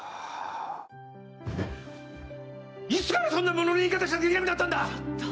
いつから、そんなものの言い方しなきゃいけなくなったんだ。